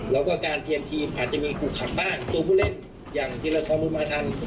แล้วก็การเตรียมทีมอาจจะมีกลุ่มขับบ้านตัวผู้เล่นอย่างที่เราท้องรู้มาทัน